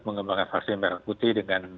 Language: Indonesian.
mengembangkan vaksin merah putih dengan